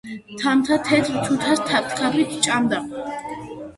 .თამთა თეთრ თუთას თქაფთქაფით ჭამდა